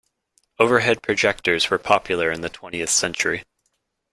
Overhead projectors were popular in the twentieth century.